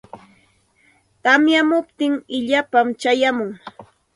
Tamyamuptin illapam chayamun.